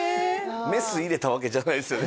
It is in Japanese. メス入れたわけじゃないっすよね？